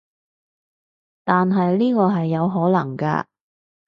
但係呢個係有可能㗎